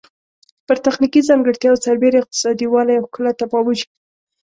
پر تخنیکي ځانګړتیاوو سربیره اقتصادي والی او ښکلا ته پام وشي.